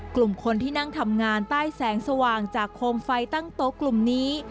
กลุ่มคนที่นั่งทำงานใต้แสงสว่างจากโคมไฟตั้งโต๊ะกลุ่มนี้